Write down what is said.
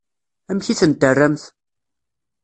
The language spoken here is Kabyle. Amek i ten-terramt?